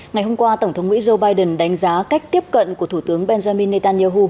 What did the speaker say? ngày hôm qua tổng thống mỹ joe biden đánh giá cách tiếp cận của thủ tướng benjamin netanyahu